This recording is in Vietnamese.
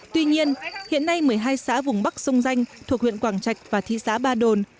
tuy nhiên hiện nay một mươi hai xã vùng bắc sông danh thuộc huyện quảng trạch và thị xã ba đồn